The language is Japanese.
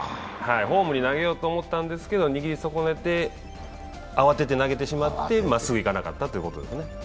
ホームに投げようと思ったんですけど、握り損なって、慌てて投げてしまってまっすぐ行かなかったということですね。